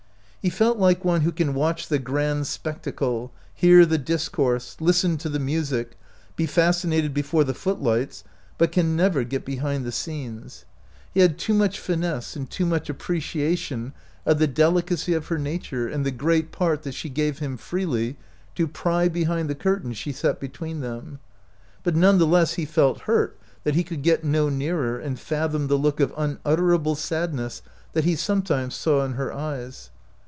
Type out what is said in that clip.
He felt like one who can watch the grand spectacle, hear the discourse, listen to the music, be fascinated before the footlights, but can never get behind the scenes. He 68 OUT OF BOHEMIA had too much finesse and too much appreci ation of the delicacy of her nature and the m great part that she gave him freely, to pry behind the curtain she set between them; but none the less he felt hurt that he could get no nearer and fathom the look of unut terable sadness that he sometimes saw in her eyes.